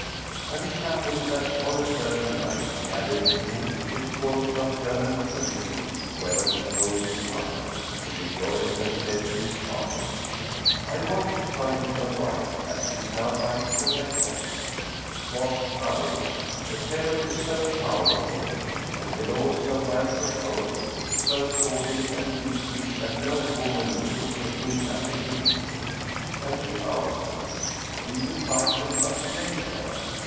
[FN#87] And it happened that on a certain night he had a dream which caused nocturnal pollution whereof he told his mother, who rejoiced and said to his father, "I want to find him a wife, as he is now ripe for wedlock." Quoth Khбlid, "The fellow is so foul of favour and withal so rank of odour, so sordid and beastly that no woman would take him as a gift." And she answered, "We will buy him a slave girl."